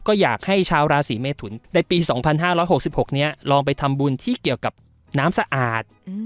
ก็อยากให้ชาวราศีเมทุนในปีสองพันห้าร้อยหกสิบหกเนี้ยลองไปทำบุญที่เกี่ยวกับน้ำสะอาด